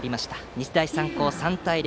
日大三高、３対０。